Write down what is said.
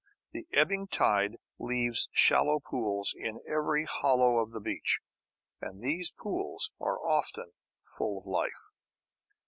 The ebbing tide leaves shallow pools in every hollow of the beach, and these pools are often full of life.